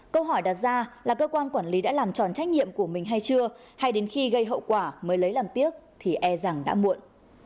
câu hỏi đặt ra là cơ quan quản lý đã làm tròn trách nhiệm của mình hay chưa hay đến khi gây hậu quả mới lấy làm tiếc thì e rằng đã muộn